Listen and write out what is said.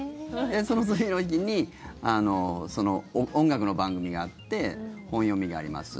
その次の日に音楽の番組があって本読みがあります